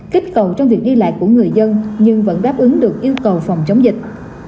kích cầu trong việc đi lại của người dân nhưng vẫn đáp ứng được yêu cầu phòng chống dịch